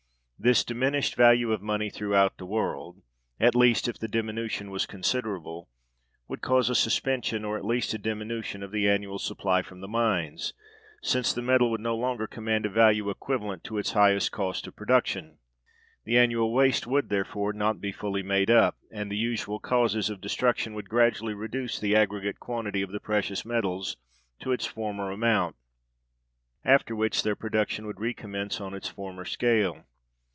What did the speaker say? This diminished value of money throughout the world (at least if the diminution was considerable) would cause a suspension, or at least a diminution, of the annual supply from the mines, since the metal would no longer command a value equivalent to its highest cost of production. The annual waste would, therefore, not be fully made up, and the usual causes of destruction would gradually reduce the aggregate quantity of the precious metals to its former amount; after which their production would recommence on its former scale.